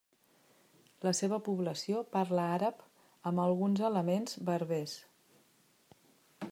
La seva població parla àrab, amb alguns elements berbers.